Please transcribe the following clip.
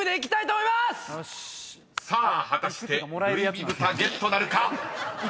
［さあ果たしてルイビ豚ゲットなるか？］